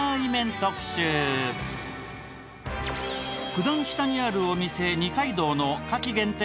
九段下にあるお店、二階堂の夏季限定